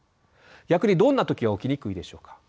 逆にどんな時は起きにくいでしょうか？